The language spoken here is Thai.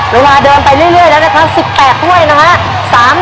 เวลาเดินไปเรื่อยแล้วนะครับ๑๘ถ้วยนะฮะ